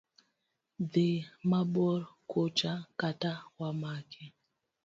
Dhi mabor kucha kata wamaki.